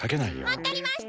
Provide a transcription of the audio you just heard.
わっかりました。